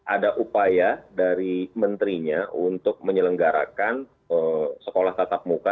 ada upaya dari menterinya untuk menyelenggarakan sekolah tatap muka